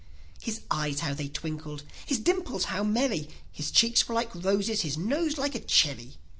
is eyes—how they twinkled! his dimples how merry! His cheeks were like roses, his nose like a cherry!